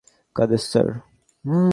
Quader, sir?